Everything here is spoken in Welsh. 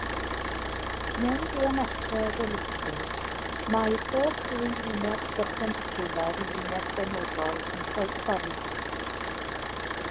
Mewn geometreg eliptig, mae pob dwy linell berpendicwlar i linell benodol yn croestorri.